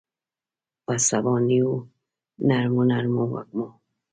په سبانیو نرمو، نرمو وږمو